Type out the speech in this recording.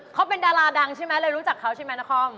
เขาเป็นดาราดังใช่มั้ยเลยรู้จักเขาใช่มั้ยนะคอม